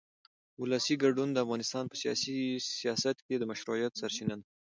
ولسي ګډون د افغانستان په سیاست کې د مشروعیت سرچینه ده